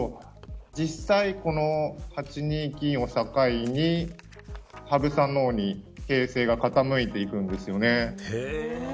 実際、この８二金を境に羽生さんの方に形勢が傾いていくんですよね。